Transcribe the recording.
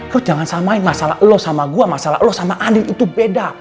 terus jangan samain masalah lo sama gue masalah lo sama andil itu beda